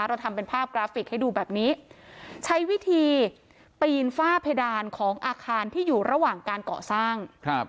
เราทำเป็นภาพกราฟิกให้ดูแบบนี้ใช้วิธีปีนฝ้าเพดานของอาคารที่อยู่ระหว่างการก่อสร้าง